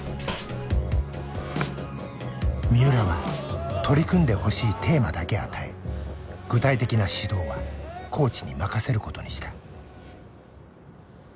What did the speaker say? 三浦は取り組んでほしいテーマだけ与え具体的な指導はコーチに任せることにした。